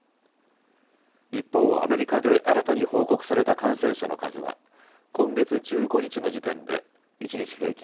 一方、アメリカで新たに報告された感染者の数は今月１５日の時点で一日平均